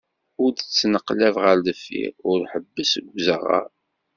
Ur d-ttneqlab ɣer deffir, ur ḥebbes deg uzaɣar.